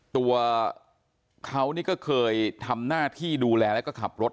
ตัวเขานี่ก็เคยทำหน้าที่ดูแลแล้วก็ขับรถ